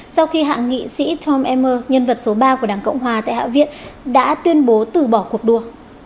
sau khi hạ nghị sĩ tom emmer nhân vật số ba của đảng cộng hòa tại hạ viện đã tuyên bố từ bỏ cuộc đua